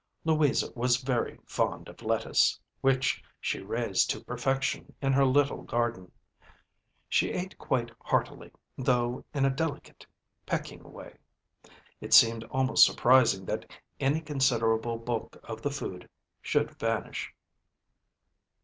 Louisa was very fond of lettuce, which she raised to perfection in her little garden. She ate quite heartily, though, in a delicate, pecking, way; it seemed almost surprising that any considerable bulk of the food should vanish.